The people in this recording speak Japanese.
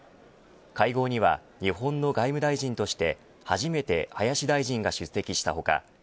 会合には日本の外務大臣として初めて林大臣が出席した他